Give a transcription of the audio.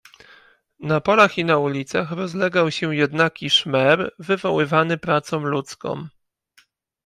"Na polach i na ulicach rozlegał się jednaki szmer, wywoływany pracą ludzką."